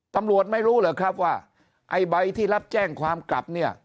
ตำรวจไม่รู้เหรอครับว่าไอ้ใบที่รับแจ้งความกลับเนี่ย